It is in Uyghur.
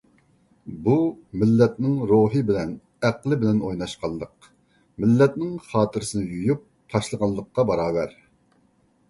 بۇ مىللەتنىڭ روھى بىلەن، ئەقلى بىلەن ئويناشقانلىق، مىللەتنىڭ خاتىرىسىنى يۇيۇپ تاشلىغانلىققا باراۋەر.